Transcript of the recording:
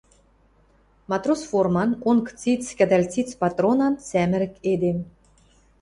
Матрос форман, онг циц, кӹдӓл циц патронан сӓмӹрӹк эдем